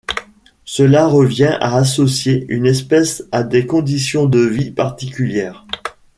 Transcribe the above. Cela revient à associer une espèce à des conditions de vie particulière.